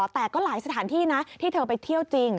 แต่ก็หลายสถานที่นะที่เธอไปเที่ยวจริง